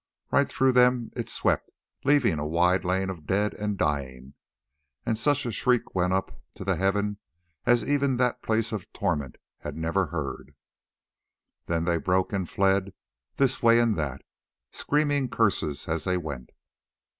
Right through them it swept, leaving a wide lane of dead and dying; and such a shriek went up to heaven as even that place of torment had never heard. Then they broke and fled this way and that, screaming curses as they went.